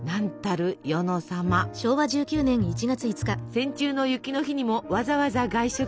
戦中の雪の日にもわざわざ外食。